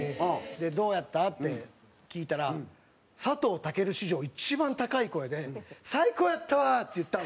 で「どうやった？」って聞いたら佐藤健史上一番高い声で「最高やったわ！」って言ったんですよ。